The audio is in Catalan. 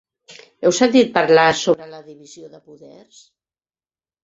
Heu sentit parlar sobre la divisió de poders?